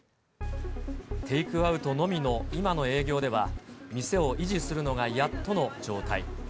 テイクアウトのみの今の営業では、店を維持するのがやっとの状態。